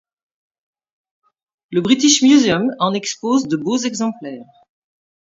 Le British Museum en expose de beaux exemplaires.